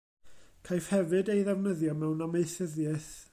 Caiff hefyd ei ddefnyddio mewn amaethyddiaeth.